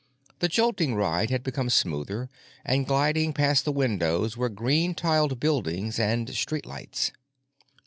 The jolting ride had become smoother, and gliding past the windows were green tiled buildings and street lights.